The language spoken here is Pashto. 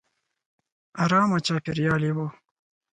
ارامه چاپېریال یې و.